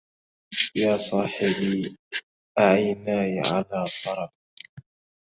يا صاحبي أعيناني على طرب